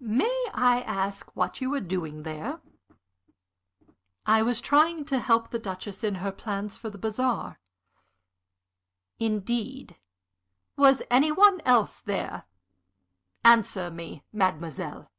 May I ask what you were doing there?" "I was trying to help the Duchess in her plans for the bazaar." "Indeed? Was any one else there? Answer me, mademoiselle."